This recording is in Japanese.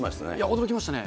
驚きましたね。